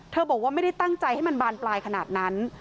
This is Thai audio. บอกว่าไม่ได้ตั้งใจให้มันบานปลายขนาดนั้น